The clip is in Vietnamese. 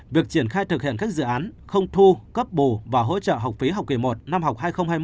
việc triển khai thực hiện các dự án không thu cấp bù và hỗ trợ học phí học kỳ một năm học hai nghìn hai mươi hai nghìn hai mươi một